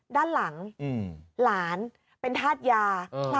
ด้านหลังหลานเป็นธาตุยา